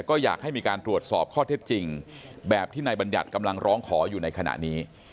ก็อยากให้มีการตรวจสอบข้อเท็จจริงแบบที่นายบัญญัติกำลังร้องขออยู่ในขณะนี้